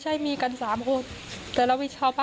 หลังจากผู้ชมไปฟังเสียงแม่น้องชมไป